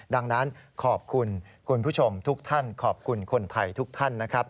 ดังนั้นขอบคุณคุณผู้ชมทุกท่านขอบคุณคนไทยทุกท่านนะครับ